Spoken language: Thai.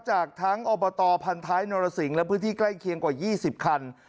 จากทั้งอบตพันท้ายนรสิงและพื้นที่ใกล้เคียงกว่า๒๐คัน